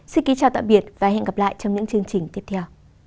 xin kính chào tạm biệt và hẹn gặp lại trong những chương trình tiếp theo